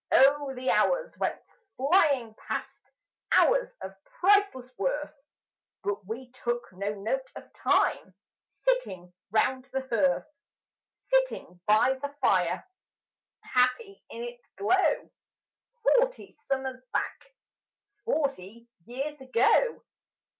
Oh, the hours went flying past Hours of priceless worth; But we took no note of Time, Sitting round the hearth: Sitting by the fire, Happy in its glow, Forty summers back Forty years ago.